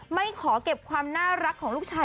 ไม่ขอเก็บความน่ารักของลูกชาย